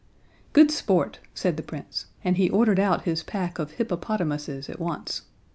"Good sport," said the Prince, and he ordered out his pack of hippopotamuses at once.